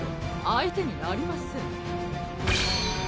相手になりません！